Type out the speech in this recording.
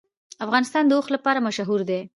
افغانستان د اوښ لپاره مشهور دی.